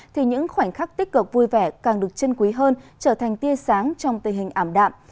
thì những khoảnh khắc tích cực vui vẻ càng được chân quý hơn trở thành tia sáng trong tình hình ảm đạm